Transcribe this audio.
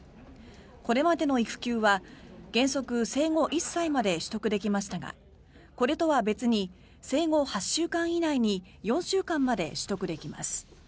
これまでの育休は原則、生後１歳まで取得できましたがこれとは別に生後８週間以内に４週間まで取得できます。